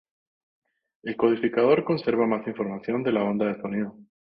el codificador conserva más información de la onda de sonido